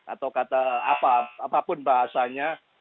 atau kata apa pun bahasanya